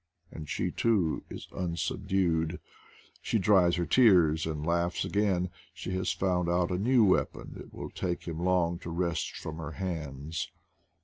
And she, too, is unsub dued; she dries her tears and laughs again; she has found out a new weapon it will take him long to wrest from her hands.